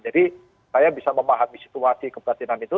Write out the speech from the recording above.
jadi saya bisa memahami situasi kebatinan itu